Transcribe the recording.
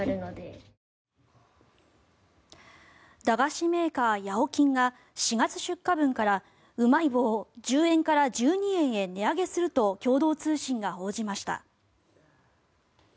駄菓子メーカーやおきんが４月出荷分からうまい棒を１０円から１２円へ値上げすると共同通信が報じました。